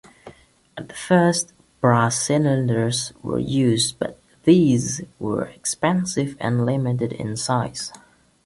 At first brass cylinders were used, but these were expensive and limited in size.